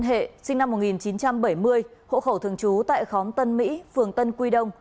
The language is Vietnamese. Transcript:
hệ sinh năm một nghìn chín trăm bảy mươi hộ khẩu thường trú tại khóm tân mỹ phường tân quy đông